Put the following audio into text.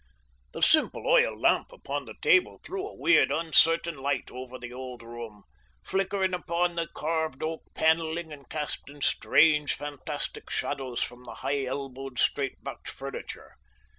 The simple oil lamp upon the table threw a weird, uncertain light over the old room, flickering upon the carved oak panelling, and casting strange, fantastic shadows from the high elbowed, straight backed furniture.